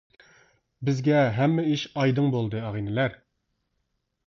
-بىزگە ھەممە ئىش ئايدىڭ بولدى، ئاغىنىلەر.